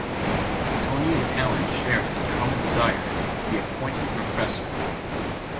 Tony and Alan shared a common desire to be appointed professor.